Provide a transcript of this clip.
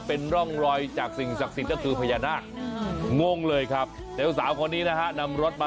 เพราะว่าอย่างนั้นนะ